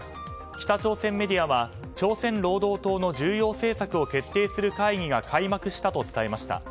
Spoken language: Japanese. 北朝鮮メディアは朝鮮労働党の重要政策を決定する会議が開幕したと伝えました。